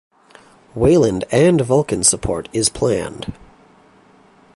Wayland and Vulkan support is planned.